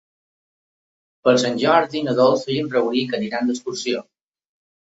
Per Sant Jordi na Dolça i en Rauric iran d'excursió.